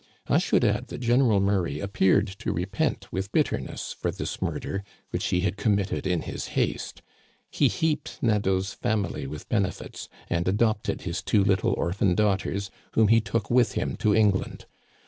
I should add that General Murray appeared to repent with bitterness for this murder, which he had committed in his haste. He heaped Nadeau's family with benefits, and adopted his two little orphan daughters, whom he took with him to England.